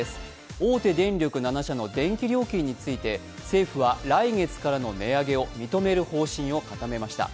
大手電力７社の電気料金について、政府は来月からの値上げを認める方針を固めました。